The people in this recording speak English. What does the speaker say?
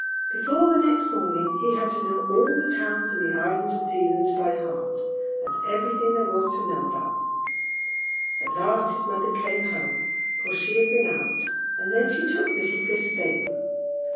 Before the next morning he had to know all the towns in the island of Zealand by heart, and everything there was to know about them. At last his mother came home, for she had been out, and then she took little Gustave.